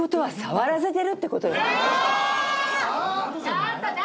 ちょっと誰？